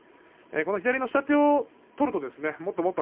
左の下手を取るともっともっと